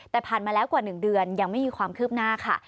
แต่ผ่านมาแล้วกว่า๑เดือนยังไม่มีความคืบหน้าค่ะ